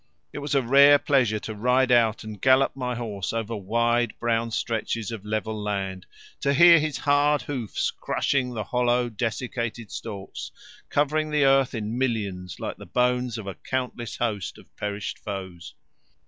It was a rare pleasure to ride out and gallop my horse over wide brown stretches of level land, to hear his hard hoofs crushing the hollow desiccated stalks covering the earth in millions like the bones of a countless host of perished foes.